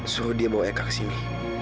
suruh dia mau eka ke sini